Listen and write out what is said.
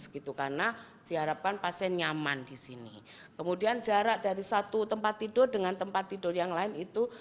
kemudian juga ada pemanas air panas dan air dingin seperti itu